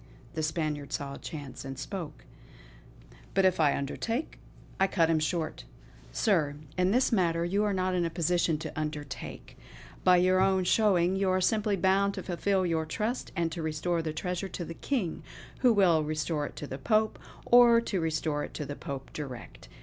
The Spaniard saw a chance, and spoke: "But if I undertake " I cut him short: "Sir, in this matter you are not in a position to undertake. By your own showing, you are simply bound to fulfill your trust and to restore the treasure to the King, who will restore it to the Pope; or to restore it to the Pope direct."